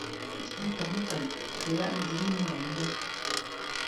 Ni njid ntamtam kɨ laʼ ndin mumbaŋ bə.